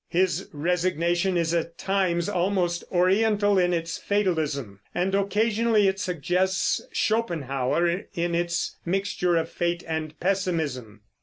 His resignation is at times almost Oriental in its fatalism, and occasionally it suggests Schopenhauer in its mixture of fate and pessimism.